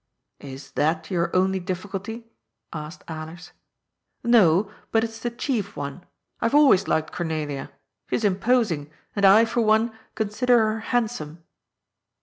" Is that your only difficulty ?" asked Alers. " No, but it is the chief one. I have always liked Cor nelia. She is imposing, and I, for one, consider her hand some."